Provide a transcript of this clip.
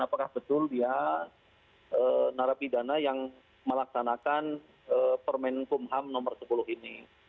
apakah betul dia narapidana yang melaksanakan permen kumham nomor sepuluh ini